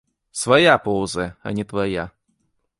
Свая поўзае, а не твая.